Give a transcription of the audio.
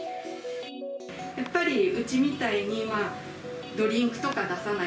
うちみたいにドリンクとか出さない